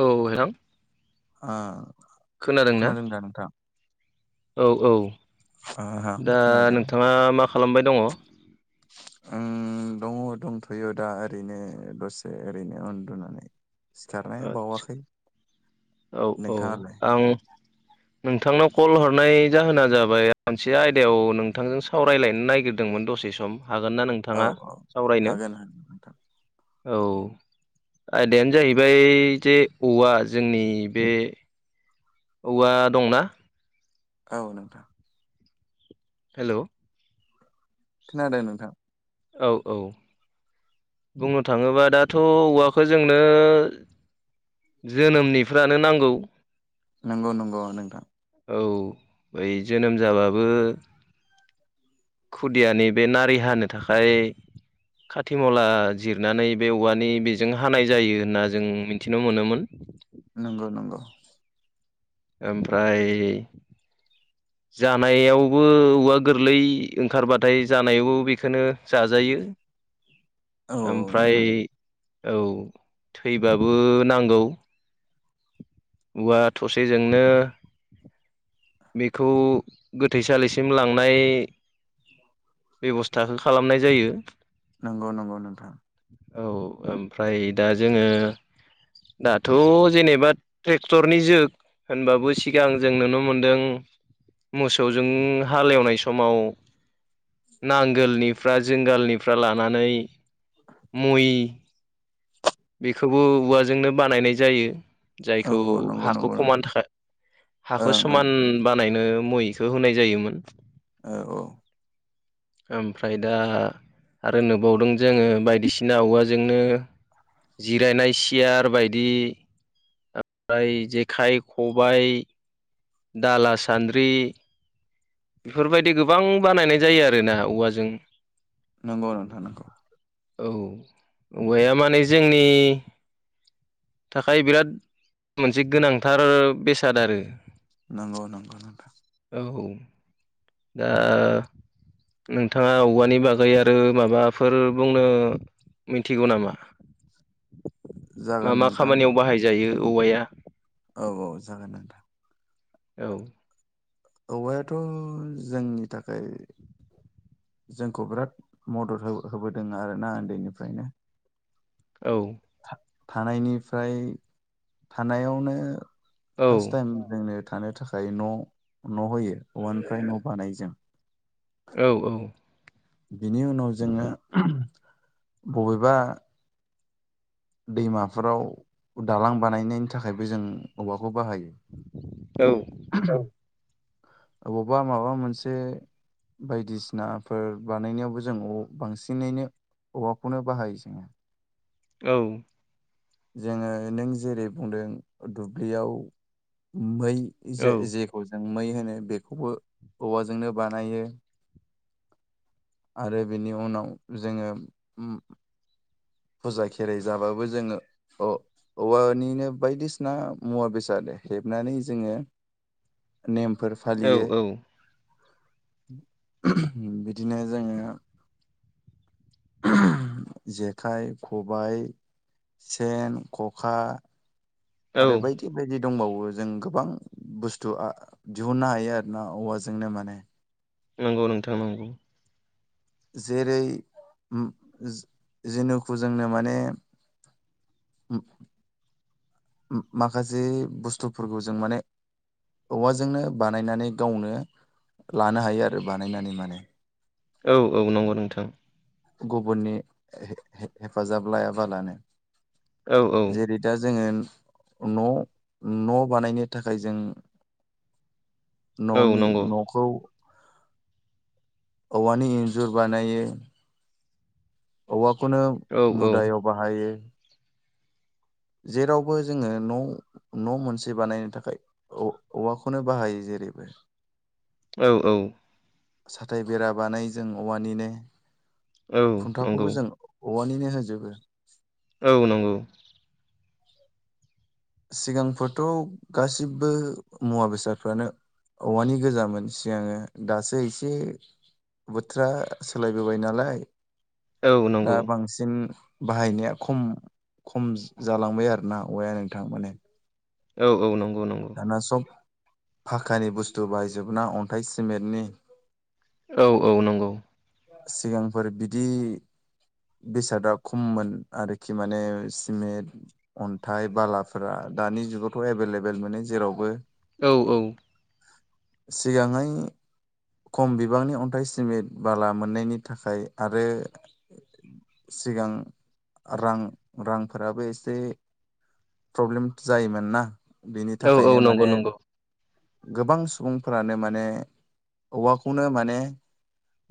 औ हेलां ओ खोनादों ना? दा नोंथां? औ औ आंबो दा खोनादों नोंथाङा मा खालामबाय दङ। आं दङ दंथ'यो दा ओरैनो दसे ओरैनो उन्दुनानै। सिखारनाया बावाखैबो औ औ आं। [inaudible] नोंथांनाव कल हरनाय जाहोना जाबाय मोनसे आयदायाव नोंथांजों सावरायलायनो नागिरदोंमोन दसे सम हागोन ना औ नोंथाङा औ सावरायनो? हागोन हागोन नोंथां औ आयदायानो जाहैबाय जे औवा जोंनिओ बे औवा दंना औ नोंथां। हेलौ खोनादों नोंथां। औ औ। बुंनो थाङोब्ला दाथ' औवाखौ जोंनो जोनोमनिफ्रानो नांगौ। नंगौ नंगौ नोंथां। औ बै जोनोम जाबाबो खुदियानि बे नारि हानो थाखाय खाथिमला जिरनानै बे औवानि बेजों हानाय जायो होनना जों मिथिनो मोनोमोन। नंगौ नंगौ। ओमफ्राय जानायावबो औवा गोरलै ओंखारबाथाय जानायावबो बेखौनो जाजायो। [inaudible] औ ओमफ्राय नोंथां औ थैबाबो नांगौ। औवा थसेजोंनो बेखौ गोथैसालिसिम लांनाय बेब'स्थाखौ खालामनाय जायो। नंगौ नंगौ नोंथां। औ ओमफ्राय दा जोङो। दाथ' जेनेबा ट्रेक्टरनि जुग होनबाबो सिगां जों नुनो मोनदों। मोसौजों हाल एवनाय समाव। नांगोलनिफ्रा जोंगालनिफ्रा लानानै मै। बेखौबो औवाजोंनो बानायनाय जायो औ जायखौ औ नंगौ हाखौ नंगौ नोंथां खमानो थाखाय हाखौ ओं ओं समान बानायनो मयखौ होनाय जायोमोन। औ औ। ओमफ्राय दा आरो नुबावदों जोङो बायदिसिना औवाजोंनो जिरायनाय सियार बायदि। ओमफ्राय जेखाइ, खबाइ दाला, सान्द्रि बेफोरबायदि गोबां बानायनाय जायो आरो ना औवाजों। नंगौ नोंथां नंगौ। औ औवाया माने जोंनि ओ थाखाय बिराद मोनसे गोनांथार बेसाद आरो नंगौ नंगौ नंगौ। औ दा नोंथांआ औवानि बागै आरो माबाफोर बुंनो मिथिगौ नामा मा जागोन मा नोंथां खामानिआव बाहाय‌ जायो औवाया औ औ जागोन नोंथां औ औवायाथ' जोंनि थाखाय जोंखौ बिराद मदद हो होबोदों आरोना उन्दैनिफ्रायनो औ थानायनिफ्राय थानायावनो औ फार्स्ट थाइम जोंनो थानो थाखाय न' न' होयो औवानिफ्राय न' बानायो जों औ औ बिनि उनाव जोङो ओम बबेबा दैमाफोराव दालां बानायनायनि थाखायबो जों औवाखौ बाहायो औ औ अबावबा माबा मोनसे बायदिसिनाफोर बानायनायावबो जों औ बांसिनैनो औवाखौनो बाहायो जोङो औ जोङो नों जेरै बुंदों दुब्लिआव मै जे औ जों मै होनो बेखौबो औवाजोंनो बानायो आरो बेनि उनाव जोङो उम फुजा खेराइ जाबाबो जोङो अ औवानिनो बायदिसिना मुवा बेसाद हेबनानै जोङो नेमफोर औ फालियो ओह बिदिनो जोङो जेखाइ खबाय सेन ख'खा औ आरो बायदि बायदि दंबावो जों गोबां बुस्थु आ दिहुननो हायो आरोोना औवाजोंनो माने नोंगौ नोंथां नोंगौ जेरै उम जेनुखु जोंनो माने उम उम माखासे बुस्थुफोरखौ जों माने औवाजोंनो बानायनानै गावनो लानो हायो आरो बानायनानै माने औ औ नंगौ नोंथां गुबुननि हे हेफाजाब लायाबालानो औ औ जेरै दा जोङो न' न' बानायनो थाखाय जों औ न'नि नंगौ न'खौ औवानि इन्जुर बानायो औवाखौनो औ औ मुदायाव बाहायो जेरावबो जोङो न' न' मोनसे बानायनो थाखाय औ औवाखौनो बाहायो जेरैबो औ औ साथाय बेरा बानायो जों औवानिनो औ नंगौ खुन्थाखौबो जों औवानिनो होजोबो औ नंगौ सिगांफोरथ' गासिबो मुवा बेसादफ्रानो औवानि गोजामोन सिगांओ दासो एसे बोथोरा सोलायबोबाय नालाय औ दा नंगौ बांसिन बाहायनाया खम खम जालांबाय आरोना औवाआ नोंथां माने औ औ नंगौ नंगौ दाना सब फाखानि बुस्थु बायजोबना अन्थाइ सिमेन्टनि औ औ नंगौ। सिगांफोर बिदि बेसादा खममोन आरोखि माने सिमेन्ट अन्थाइ बालाफोरा दानि जुगावथ एभेलेबेल मोनो जेरावबो औ औ सिगाङै खम बिबांनि अन्थाइ सिमेन्ट बाला मोननायनि थाखाय आरो सिगां रां रांफोराबो एसे प्रब्लेम जायोमोनना बिनि औ औ थाखायनो नंगौ माने नंगौ गोबां सुबुंफोरानो माने औवाखौनो माने।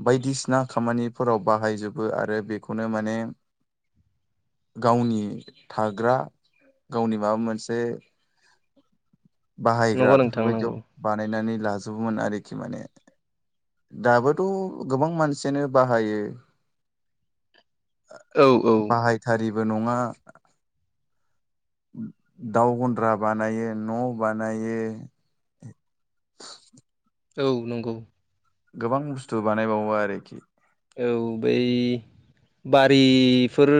बायदिसिना खामानिफोराव बाहायजोबो आरो बेखौनो माने गावनि थाग्रा गावनि माबा मोनसे बाहायग्रा नंगौ नोंथां नंगौ बेफोरबायदियाव बानायनानै लाजोबोमोन आरोखि माने दाबोथ' गोबां मानसियानो बाहायो। औ औ बाहायथारिबो नङा दाउ गन्द्रा बानायो न' बानायो। औ नंगौ। गोबां बुस्थु बानायबावो आरोखि। औ बै बारिफोर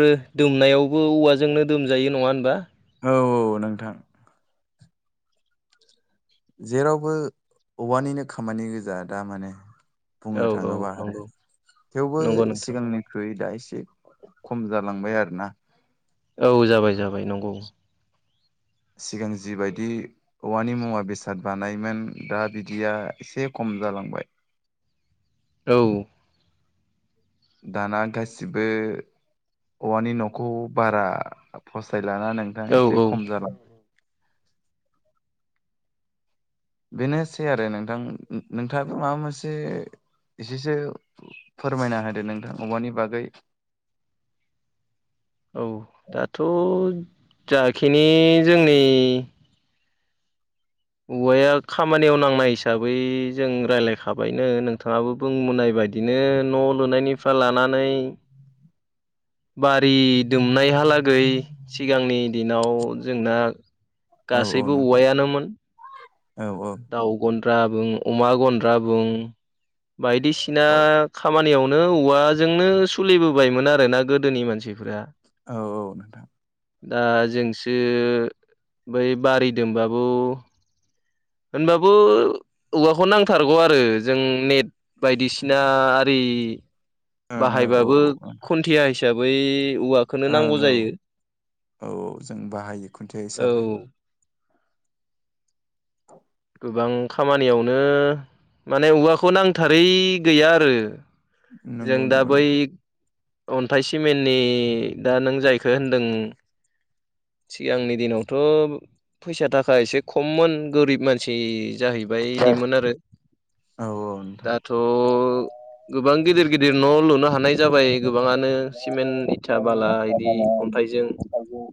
दुमनायावबो औवाजोंनो दुमजायो नङा होनबा? औ औ नोंथां। जेरावबो औवानिनो खामानि गोजा दा माने। बुंनो औ औ थाङोबा आरो नंगौ थेवबो नंगौ नोंथां सिगांनि थ्रुयै दा एसे खम जालांबाय आरोना। औ जाबाय जाबाय नंगौ। सिगां जिबायदि औवानि मुवा बेसाद बानायोमोन दा बिदिया एसे खम जालांबाय। औ दाना गासिबो औवानि न'खौ बारा फसायला नोंथां औ एसे औ खम जाला बेनोसै आरो नोंथां नोंथाङाबो माबा मोनसे एसेसो फोरमायना होदो नोंथां औवानि बागै। औ दाथ' जाखिनि जोंनि औवाया खामानियाव नांनाय हिसाबै जों रायलायखाबायनो नोंथाङाबो बुंबोनाय बायदिनो न' लुनायनिफ्राय लानानै बारि दुमनायहालागै सिगांनि दिनाव जोंना औ औ गासैबो नोंथां औवायानोमोन। औ औ दाउ गन्द्रा बुं अमा गन्द्रा बुं बायदिसिना खामानियावनो औवाजोंनो सोलिबोबायमोन आरोना गोदोनि मानसिफ्रा। औ औ नोंथां दा जोंसो बै बारि दोंबाबो होनबाबो औवाखौ नांथारगौ आरो जों नेट बायदिसिना आरि ओं औ औ बाहायबाबो खुन्थिया हिसाबै औवा ओं औ-औ-औ जों बाहायो खुन्थिया औ हिसाबै गोबां खामानियावनो माने औवाखौ नांथारै गैया आरो। जों नंगौ दा नंगौ बै नोंथां अन्थाइ सिमेननि दा नों जायखौ होनदों। सिगांनि दिनावथ' फैसा थाखा एसे खममोन गोरिब मानसि जाहैबाय इदिमोन आरो औ औ नोंथां दाथ' गोबां गिदिर गिदिर न' लुनो हानाय जाबाय गोबाङानो होनबाबो सिमेन्ट इथा बाला बिदि अन्थाइजों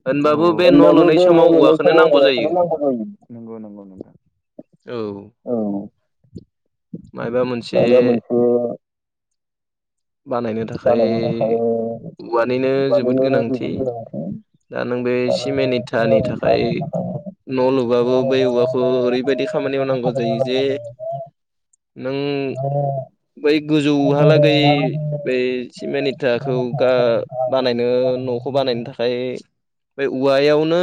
होनबाबो बे न' लुनाय बे समाव लुनाय औवाखौनो समाव नांगौ जायो औवाखौनो जायो नंगौ नंगौ नोंथां औ औ मायबा मोनसे मायबा बानायनो थाखाय बानायनो थाखाय औवानिनो जोबोद औवानिनो गोनांथि जोबोद गोनांथि दा नों बे आरो सिमेन इथानि थाखाय सोलोंथाइनि न' लुबाबो बै औवाखौ ओरैबायदि खामानियाव नांगौ जायो जे नों बै गोजौहालागै बै सिमेन्ट इथाखौ गा बानायनो न'खौ बानायनो थाखाय बे औवायावनो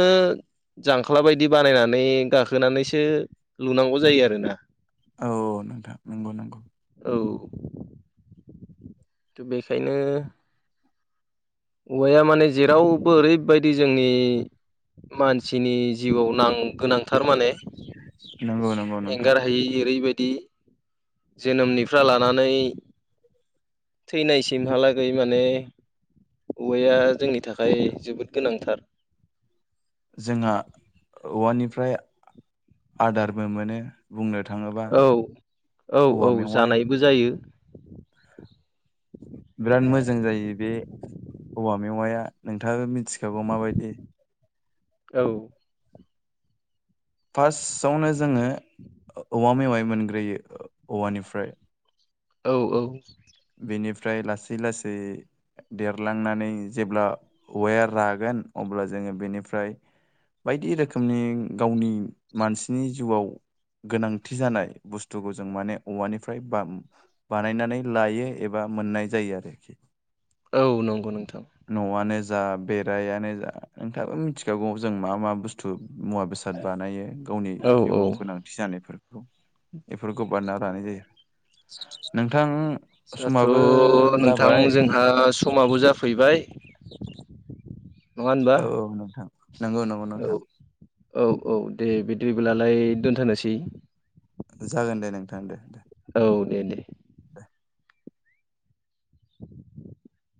जांख्ला बायदि बानायनानै गाखोनानैसो लुनांगौ जायो आरोना औ नोंथां नंगौ नंगौ औ थ बेखायनो औवाया माने जेरावबो ओरैबायदि जोंनि मानसिनि जिउआव नां गोनांथार माने नंगौ नंगौ नोंथां एंगारहायै ओरैबायदि जोनोमनिफ्राय लानानै थैनायसिमहालागै माने औवाया जोंनि थाखाय जोबोद गोनांथार जोंहा औवानिफ्राय आदारबो मोनो बुंनो थाङोबा औ औ औ औवा मेवाइ जानायबो जायो बिराद मोजां जायो बे औवा मेवाया नोंथाङाबो मिथिखागौ माबायदि औ फार्स्टआवनो जोङो औवा मेवाइ मोनग्रोयो औवानिफ्राय औ औ बेनिफ्राय लासै लासै देरलांनानै जेब्ला औवायख रागोन अब्ला जोङो बेनिफ्राय बायदि रोखोमनि गावनि मानसिनि जिउआव गोनांथि जानाय बुस्थुखौ जों माने औवानिफ्राय बा बानायनानै लायो एबा मोननाय जायो आरोखि औ नंगौ नोंथां न'आनो जा बेरायानो जा नोंथाङाबो मिथिखागौ जों मा मा बुस मुवा बेसाद बानायो गावनि औ औ जिउआव गोनांथि जानायफोरखौ इफोरखौ बानायना लानाय जायो नोंथां समाबो जाहाथ नोंथां जाबाय जोंहा समाबो जाफैबाय नङा होनबा औ औ नोंथां नंगौ नंगौ औ नोंथां औ औ दे बिदिब्लालाय दोनथनोसै जागोन दे नोंथां दे दे औ दे दे दे [inaudible]